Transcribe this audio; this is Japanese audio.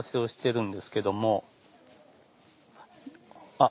あっ